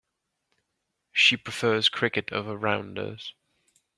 She prefers cricket over rounders.